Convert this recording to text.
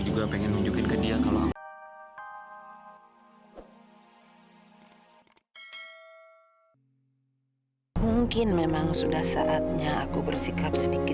tapi anak dari mantan kekasih almarhum suamiku